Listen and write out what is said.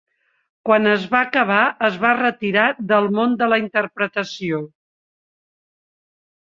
Quan es va acabar, es va retirar del món de la interpretació.